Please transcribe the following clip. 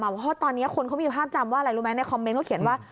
เพราะตอนนี้คนเขามีภาพจำว่าอะไรรู้ไหมในคอมเมนต์เขาเขียนว่า